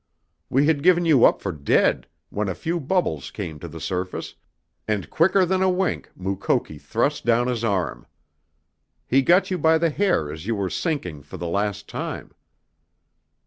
We had given you up for dead when a few bubbles came to the surface, and quicker than a wink Mukoki thrust down his arm. He got you by the hair as you were sinking for the last time.